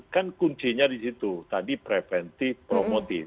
kan kuncinya di situ tadi preventive promotive